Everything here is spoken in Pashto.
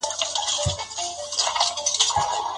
خاوندان د خپلو ميرمنو سره په څه امر سوي دي؟